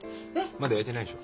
まだ焼いてないでしょ。